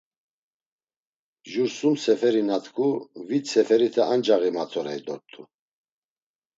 Jur sum seferi na t̆ǩu, vit seferite ancaği matorey dort̆u.